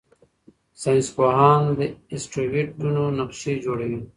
ساینسپوهان د اسټروېډونو نقشې جوړوي.